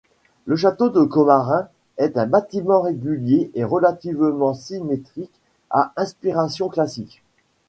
Le château de Commarin est un bâtiment régulier et relativement symétrique à inspiration classique.